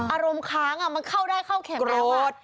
อารมณ์ค้างมันเข้าได้เข้าแข็งแรง